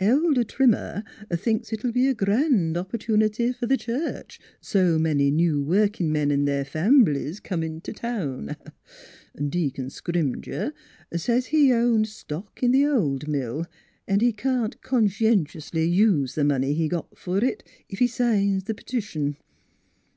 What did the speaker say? Elder Trimmer thinks it'll be a grand op pertunity f 'r the church; so many new working men an' their famblys comin' t' town. An' Deacon Scrimger says he owned stock in the old mill, an' he can't con scientiously use the money he got for it if he signs the petition.